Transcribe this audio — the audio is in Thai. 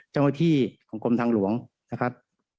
เจ้าหน้าที่ของกรมทางหลวงนะครับ